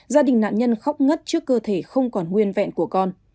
gia đình nạn nhân khóc ngất trước cơ thể không còn nguyên vẹn của con